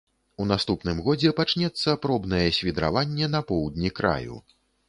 У наступным годзе пачнецца пробнае свідраванне на поўдні краю.